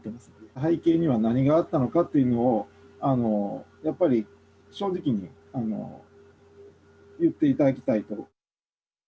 背景には何があったのかというのを、やっぱり正直に言っていただきたいと。